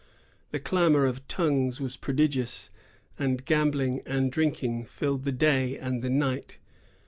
The clamor of tongues was prodigious, and gambling and drinking filled the day and the night.